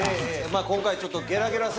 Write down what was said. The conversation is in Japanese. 今回ちょっと。